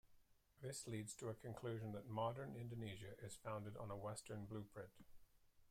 This leads to a conclusion that 'Modern Indonesia' is founded on a Western blueprint.